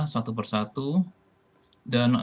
satu persatu dan